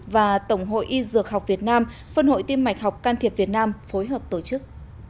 và tổng hội y dược học việt nam phân hội tiêm mạch học can thiệp việt nam phối hợp tổ chức